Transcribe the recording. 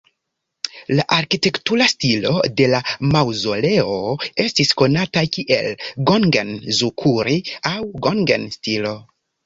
La arkitektura stilo de la maŭzoleo estis konata kiel "gongen-zukuri" aŭ "gongen"-stilo.